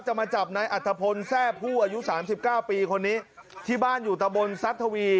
มาจับนายอัฐพลแทร่ผู้อายุสามสิบเก้าปีคนนี้ที่บ้านอยู่ตะบนซัดทวี